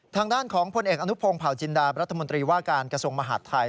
ทางด้านของพลเอกอนุพงศ์เผาจินดารัฐมนตรีว่าการกระทรวงมหาดไทย